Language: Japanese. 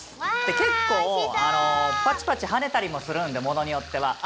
でこれ結構パチパチはねたりもするんでものによっては。